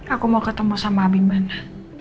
aku mau ketemu sama abi mana